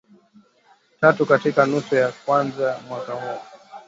tatu katika nusu ya kwanza ya mwaka huu